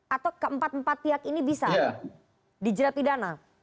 atau keempat empat pihak ini bisa dijerat pidana